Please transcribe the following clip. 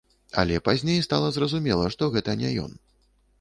Але пазней стала зразумела, што гэта не ён.